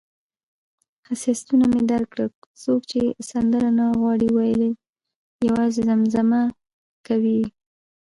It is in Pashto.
حساسیتونه مې درک کوم، څوک چې سندره نه غواړي ویلای، یوازې زمزمه کوي یې.